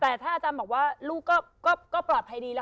แต่ถ้าอาจารย์บอกว่าลูกก็ปลอดภัยดีแล้ว